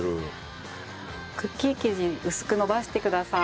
クッキー生地薄く延ばしてください。